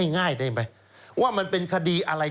ง่ายได้ไหมว่ามันเป็นคดีอะไร